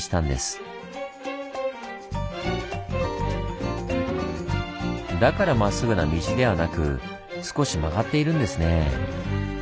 だからまっすぐな道ではなく少し曲がっているんですねぇ。